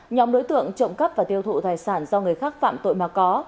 nhóm đối tượng trộm cắp và tiêu thụ tài sản do người khác phạm tội mà có